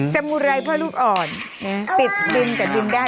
สมุไรพ่อลูกอ่อนติดดินกับดินได้